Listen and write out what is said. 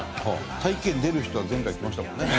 大気圏出る人は前回来ましたもんね。